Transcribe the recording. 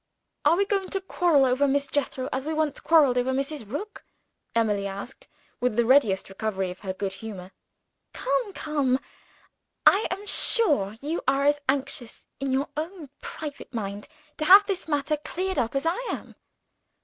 "Are we going to quarrel over Miss Jethro, as we once quarreled over Mrs. Rook?" Emily asked with the readiest recovery of her good humor. "Come! come! I am sure you are as anxious, in your own private mind, to have this matter cleared up as I am."